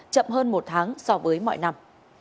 chậm hơn một tháng so với mọi năm